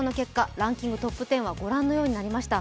ランキングトップ１０はご覧のようになりました